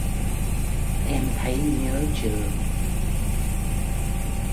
Em thấy nhớ trường